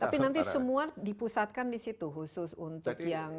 tapi nanti semua dipusatkan di situ khusus untuk yang